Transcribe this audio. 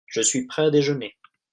Je suis prêt à déjeuner.